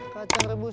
kacang rebus a